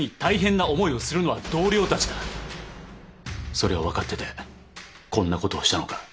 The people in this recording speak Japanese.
それを分かっててこんなことをしたのか？